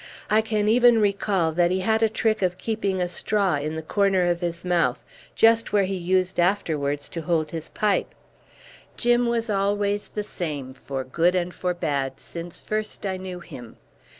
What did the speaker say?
I can even recall that he had a trick of keeping a straw in the corner of his mouth, just where he used afterwards to hold his pipe. Jim was always the same for good and for bad since first I knew him.